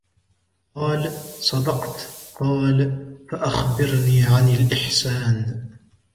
قالَ: صَدَقْتَ. قالَ: فَأَخْبِرْني عَنِ الإحسانِ؟